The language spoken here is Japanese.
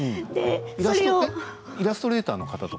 イラストレーターの方ですか？